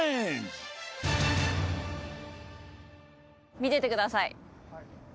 見ててください